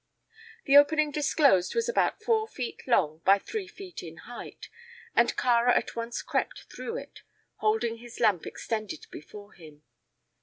The opening disclosed was about four feet long by three feet in height, and Kāra at once crept through it, holding his lamp extended before him.